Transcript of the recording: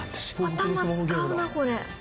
頭使うなこれ。